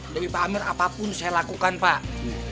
demi pak amir apapun saya lakukan pak